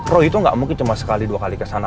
roy itu nggak mungkin cuma sekali dua kali ke sana